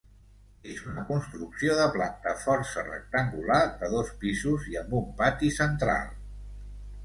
És una construcció de planta força rectangular de dos pisos i amb un pati central.